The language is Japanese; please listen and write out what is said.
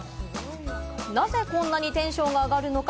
なぜこんなにテンションが上がるのか？